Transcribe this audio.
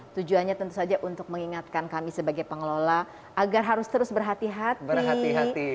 tujuannya tentu saja untuk mengingatkan kami sebagai pengelola agar harus terus berhati hati